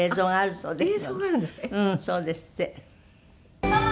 そうですって。